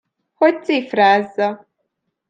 Hogy cifrázza.